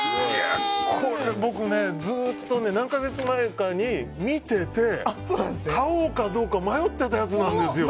これ、僕ねずっと何か月前かに見ていて、買おうかどうか迷っていたやつなんですよ。